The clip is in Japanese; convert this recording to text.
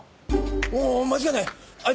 おお間違いない。